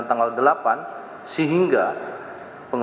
yang melewaskan dua belas orang